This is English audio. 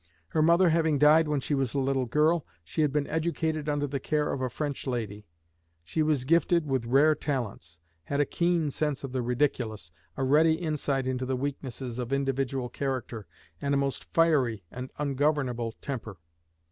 Her mother having died when she was a little girl, she had been educated under the care of a French lady. She was gifted with rare talents, had a keen sense of the ridiculous, a ready insight into the weaknesses of individual character, and a most fiery and ungovernable temper.